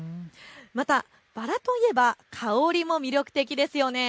またバラといえば香りも魅力的ですね。